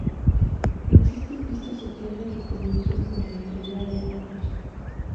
Existen pistas de tierra que comunican con la localidad de Atar.